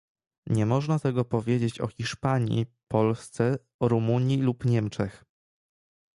Nie można tego powiedzieć o Hiszpanii, Polsce, Rumunii lub Niemczech